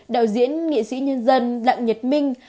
đạo diễn nghị sĩ nhân dân đặng nhật minh